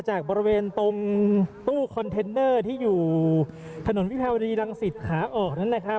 จากบริเวณตรงตู้คอนเทนเนอร์ที่อยู่ถนนวิพลีลังศีษย์คาออกนั่น